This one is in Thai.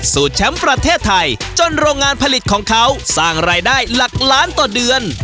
แชมป์ประเทศไทยจนโรงงานผลิตของเขาสร้างรายได้หลักล้านต่อเดือน